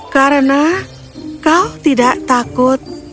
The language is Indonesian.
karena kau tidak takut